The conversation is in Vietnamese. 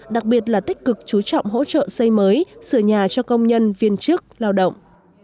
đặc biệt là tích cực chú trọng hỗ trợ xây mới sửa nhà cho công nhân viên chức lao động